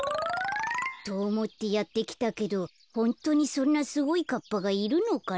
とおもってやってきたけどホントにそんなすごいカッパがいるのかな？